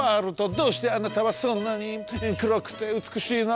どうしてあなたはそんなにくろくてうつくしいの？